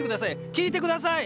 聞いてください！